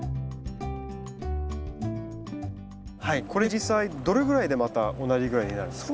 これ実際どれぐらいでまた同じぐらいになるんですか？